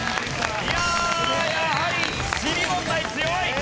いややはり地理問題強い！